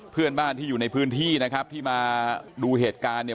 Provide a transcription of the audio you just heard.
เพื่อนบ้านที่อยู่ในพื้นที่นะครับที่มาดูเหตุการณ์เนี่ย